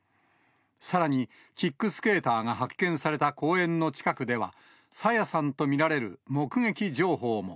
さらに、キックスケーターが発見された公園の近くでは、朝芽さんと見られる目撃情報も。